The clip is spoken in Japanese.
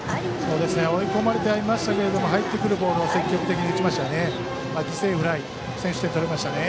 追い込まれてはいましたけれども入ってくるボールを積極的に打ちましたよね。